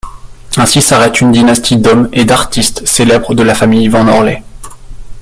Ainsi s'arrête une dynastie d'hommes et d'artistes célèbres de la famille van Orley.